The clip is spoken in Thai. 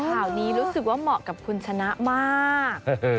ข่าวนี้รู้สึกว่าเหมาะกับคุณชนะมาก